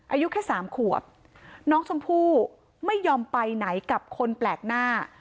อายุแค่สามขวบน้องชมพู่ไม่ยอมไปไหนกับคนแปลกหน้า